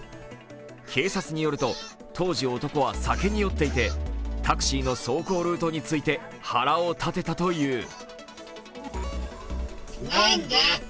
警察によると、当時、男は酒に酔っていてタクシーの走行ルートについて腹を立てたという。